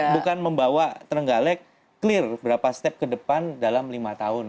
bukan membawa terenggalek clear berapa step ke depan dalam lima tahun